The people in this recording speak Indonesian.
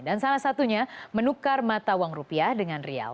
dan salah satunya menukar mata uang rupiah dengan rial